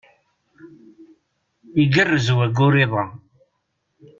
Igerrez wayyur iḍ-a.